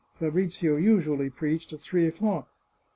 Fabrizio usually preached at three o'clock.